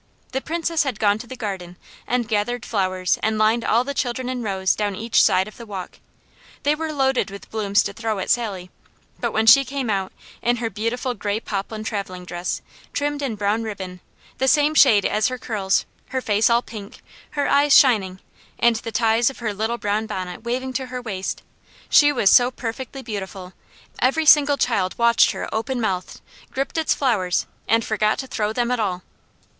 The Princess had gone to the garden and gathered flowers and lined all the children in rows down each side of the walk. They were loaded with blooms to throw at Sally; but when she came out, in her beautiful gray poplin travelling dress, trimmed in brown ribbon, the same shade as her curls, her face all pink, her eyes shining, and the ties of her little brown bonnet waving to her waist, she was so perfectly beautiful, every single child watched her open mouthed, gripped its flowers, and forgot to throw them at all.